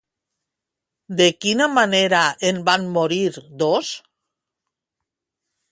De quina manera en van morir dos?